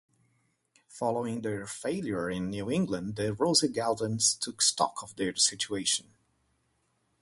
Following their failure in New England, the Rosengartens took stock of their situation.